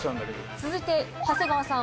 続いて長谷川さん。